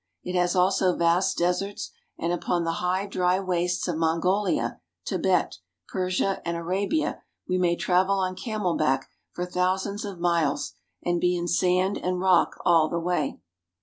It has also vast deserts ; and upon the high dry wastes of Mongolia, Tibet, Persia, and Arabia we may travel on camel back for thousands of miles and be in sand and rock all the way.